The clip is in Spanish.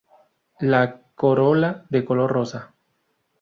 La corola de color rosa.